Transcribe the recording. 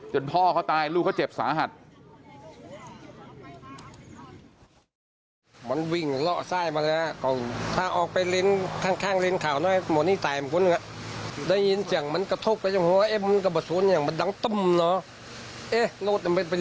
พ่อเขาตายลูกเขาเจ็บสาหัส